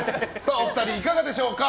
お二人、いかがでしょうか。